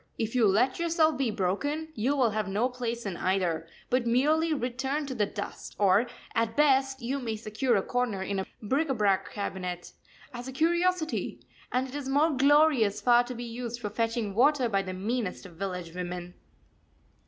If you let yourself be broken, you will have no place in either, but merely return to the dust; or, at best, you may secure a corner in a bric a brac cabinet as a curiosity, and it is more glorious far to be used for fetching water by the meanest of village women.